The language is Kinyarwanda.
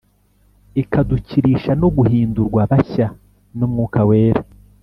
ikadukirisha no guhindurwa bashya n'Umwuka Wera;